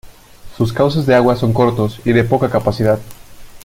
Sus cauces de agua son cortos y de poca capacidad.